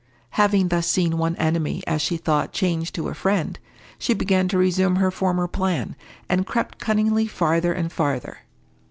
Having thus seen one enemy, as she thought, changed to a friend, she began to resume her former plan, and crept cunningly farther and farther.